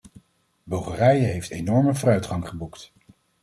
Bulgarije heeft enorme vooruitgang geboekt.